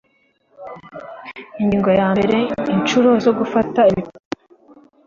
Ingingo yambere Inshuro zo gufata ibipimo